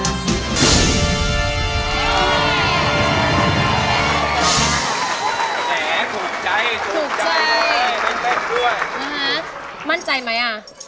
เผื่อใจเครื่องร้างปรีน